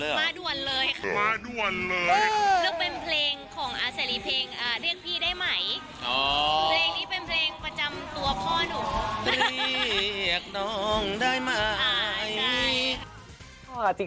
เลือกเป็นเพลงของอาเสรีเพลงเรียกพี่ได้ไหมเพลงที่เป็นเพลงประจำตัวพ่อหนู